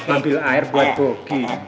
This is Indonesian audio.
ambil air buat boki